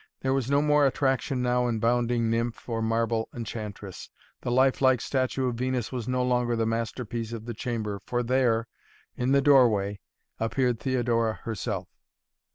There was no more attraction now in bounding nymph or marble enchantress. The life like statue of Venus was no longer the masterpiece of the chamber for there, in the doorway, appeared Theodora herself.